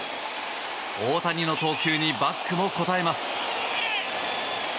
大谷の投球にバックも応えます。